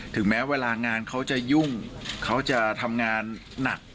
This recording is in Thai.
ถึงแม้เวลางานเขาจะยุ่งเขาจะทำงานหนัก